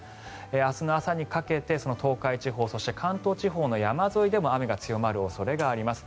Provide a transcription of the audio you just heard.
明日の朝にかけて東海地方、関東地方の山沿いでも雨が強まる恐れがあります。